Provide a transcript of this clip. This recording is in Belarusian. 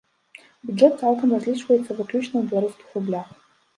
Бюджэт цалкам разлічваецца выключна ў беларускіх рублях.